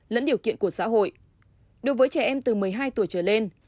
lẫn điều kiện của xã hội đối với trẻ em từ một mươi hai tuổi trở lên